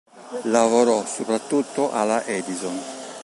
Lavorò soprattutto alla Edison.